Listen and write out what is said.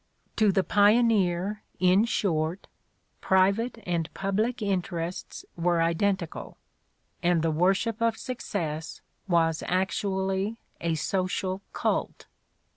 To the pioneer, in short, private and public interests were identical and the wor ship of success was actually a social cult.